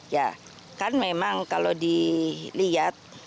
ya kan memang kalau dilihat